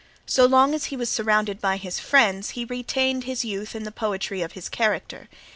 So long as he was surrounded by his friends he retained his youth and the poetry of his character.